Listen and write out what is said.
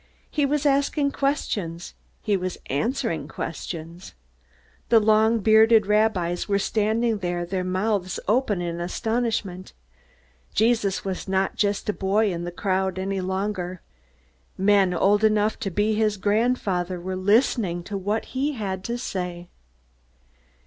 He was asking questions; he was answering questions. The long bearded rabbis were standing there, their mouths open in astonishment. Jesus was not just a boy in the crowd any longer. Men old enough to be his grand father were listening to what he had to say.